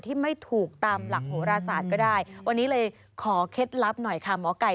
ที่ไม่ถูกตามหลักโหราศาสตร์ก็ได้วันนี้เลยขอเคล็ดลับหน่อยค่ะหมอไก่